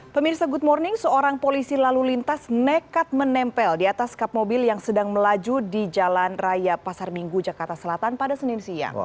pemirsa good morning seorang polisi lalu lintas nekat menempel di atas kap mobil yang sedang melaju di jalan raya pasar minggu jakarta selatan pada senin siang